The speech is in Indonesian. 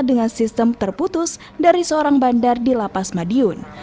dengan sistem terputus dari seorang bandar di lapas madiun